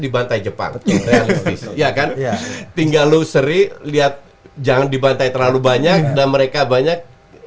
di bantai jepang ya kan tinggal lo seri lihat jangan dibantai terlalu banyak dan mereka banyak